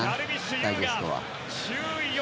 ダイジェストは。